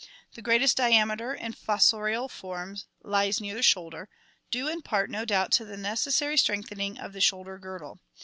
The greatest diameter in fossorial forms lies near the shoulder, due in part no doubt to the necessary strengthening of the shoulder girdle.